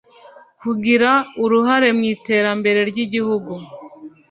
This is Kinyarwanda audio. kugira uruhare mu iterambere ry igihugu